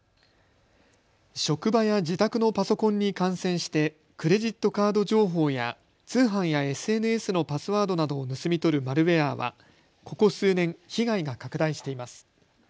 職場や自宅のパソコンに感染してクレジットカード情報や通販やＳＮＳのパスワードなどを盗み取るマルウエアはここ数年、被害が拡大しています。